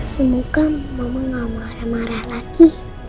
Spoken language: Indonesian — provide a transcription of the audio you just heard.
semoga mama gak marah marah lagi